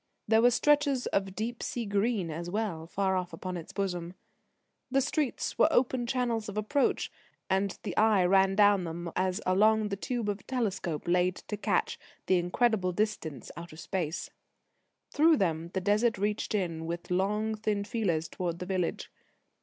There were stretches of deep sea green as well, far off upon its bosom. The streets were open channels of approach, and the eye ran down them as along the tube of a telescope laid to catch incredible distance out of space. Through them the Desert reached in with long, thin feelers towards the village.